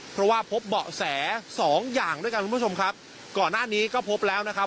เพราะว่าพบเบาะแสสองอย่างด้วยกันคุณผู้ชมครับก่อนหน้านี้ก็พบแล้วนะครับ